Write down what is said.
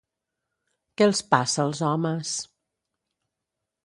Què els passa, als homes?